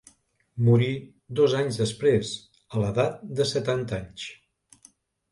Morí dos anys després, a l'edat de setanta anys.